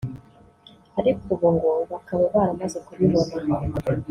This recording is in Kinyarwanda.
ariko ubu ngo bakaba baramaze kubibona